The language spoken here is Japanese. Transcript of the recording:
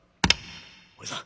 「おじさん